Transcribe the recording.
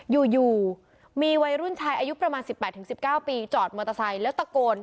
อยู่มีวัยรุ่นชายอายุประมาณ๑๘๑๙ปีจอดมอเตอร์ไซค์แล้วตะโกน